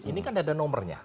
ini kan ada nomornya